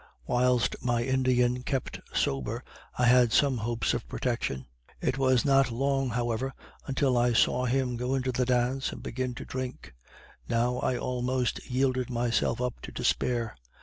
Whilst my Indian kept sober I had some hopes of protection. It was not loner however until I saw him go into the dance and begin to drink. Now I almost yielded myself up to despair.